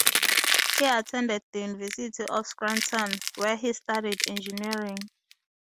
He attended the University of Scranton, where he studied engineering.